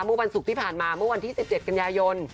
เมื่อวันศุกร์ที่ผ่านมาเมื่อวันที่๑๗กันยายน